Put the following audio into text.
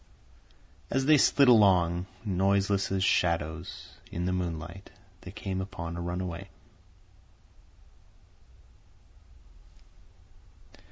As they slid along, noiseless as shadows, in the moonlight, they came upon a run way.